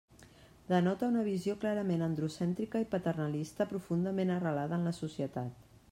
Denota una visió clarament androcèntrica i paternalista profundament arrelada en la societat.